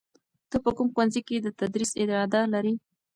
ته په کوم ښوونځي کې د تدریس اراده لرې؟